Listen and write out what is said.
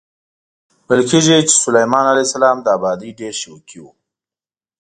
ویل کېږي چې سلیمان علیه السلام د ابادۍ ډېر شوقي و.